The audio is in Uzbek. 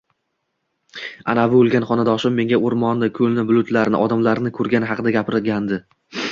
Anavi oʻlgan xonadoshim menga oʻrmonni, koʻlni, bulutlarni, odamlarni koʻrgani haqida gapirgandi